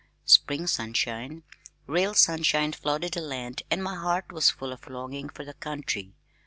Spring sunshine, real sunshine flooded the land and my heart was full of longing for the country.